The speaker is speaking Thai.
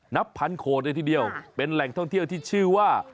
นับพันโขดเลยทีเดียวเป็นแหล่งท่องเที่ยวที่ชื่อว่า